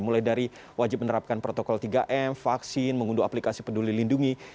mulai dari wajib menerapkan protokol tiga m vaksin mengunduh aplikasi peduli lindungi